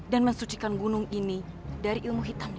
dan mencegah gunung ini dari ilmu hitam ini